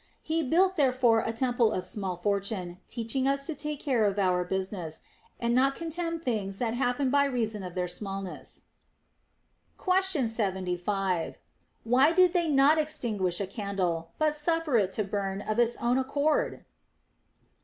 He built therefore a temple of Small Fortune, teaching us to take care of our business, and not contemn things that happen by reason of their smallness. Question 75. Why did they not extinguish a candle, but suffer it to burn out of its own accord.